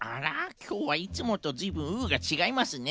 きょうはいつもとずいぶん「ウ」がちがいますね。